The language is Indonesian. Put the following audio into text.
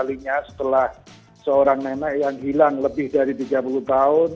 kalinya setelah seorang nenek yang hilang lebih dari tiga puluh tahun